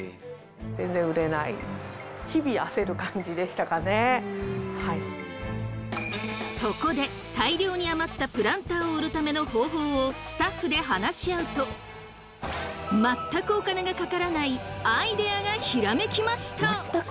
しかしそこで大量に余ったプランターを売るための方法をスタッフで話し合うと全くお金がかからないアイデアがひらめきました！